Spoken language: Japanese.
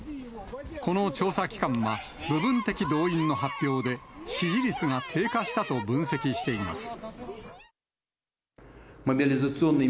この調査機関は、部分的動員の発表で、支持率が低下したと分析しています。